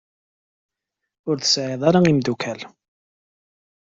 Ur tesɛi ara imdukkal.